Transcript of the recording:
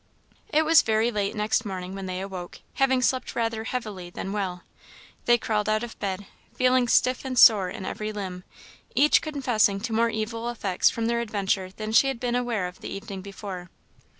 It was very late next morning when they awoke, having slept rather heavily than well. They crawled out of bed, feeling stiff and sore in every limb, each confessing to more evil effects from their adventure than she had been aware of the evening before.